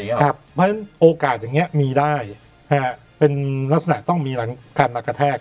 เพราะฉะนั้นโอกาสอย่างนี้มีได้เป็นลักษณะต้องมีการมากระแทก